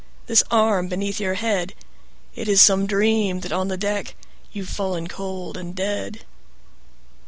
This arm beneath your head! It is some dream that on the deck 15 You've fallen cold and dead.